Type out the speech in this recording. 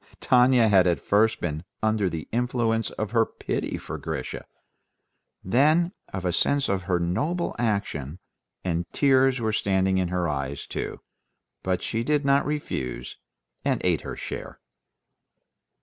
Tanya had at first been under the influence of her pity for Grisha, then of a sense of her noble action, and tears were standing in her eyes too; but she did not refuse, and ate her share.